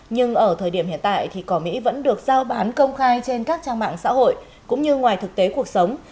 nhưng ở thời điểm hiện tại thì cỏ mỹ vẫn được giao bán công khai trên các trang mạng xã hội cũng như ngoài thực tế cuộc sống